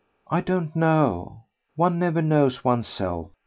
"I don't know one never knows one's self.